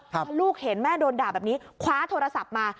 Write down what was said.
พอลูกเห็นแม่โดนด่าแบบนี้คว้าโทรศัพท์มา